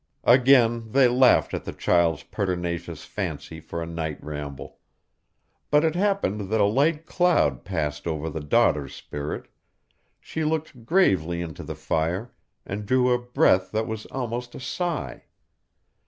Again they laughed at the child's pertinacious fancy for a night ramble. But it happened that a light cloud passed over the daughter's spirit; she looked gravely into the fire, and drew a breath that was almost a sigh.